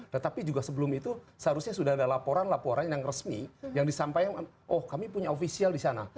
tetapi juga sebelum itu seharusnya sudah ada laporan laporan yang resmi yang disampaikan oh kami punya ofisial di sana